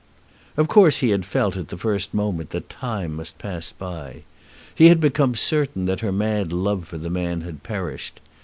Of course he had felt at the first moment that time must pass by. He had become certain that her mad love for the man had perished.